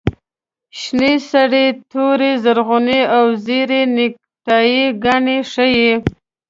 شنې، سرې، تورې، زرغونې او زېړې نیکټایي ګانې ښیي.